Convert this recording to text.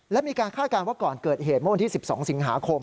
และมีการคาดการณ์ว่าก่อนเกิดเหตุเมื่อวันที่๑๒สิงหาคม